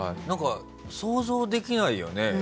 想像できないよね。